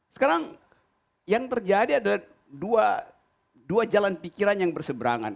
sekarang yang terjadi adalah dua jalan pikiran yang berseberangan